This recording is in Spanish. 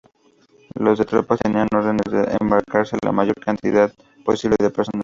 Los de tropas tenían órdenes de embarcarse la mayor cantidad posible de personal.